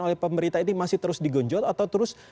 oleh pemerintah ini masih terus digonjot atau terus